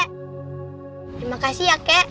terima kasih ya kek